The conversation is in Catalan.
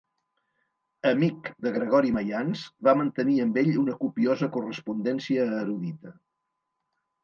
Amic de Gregori Maians, va mantenir amb ell una copiosa correspondència erudita.